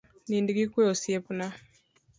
Nind gi kue osiepna